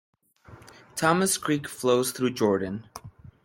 Thomas Creek flows through Jordan.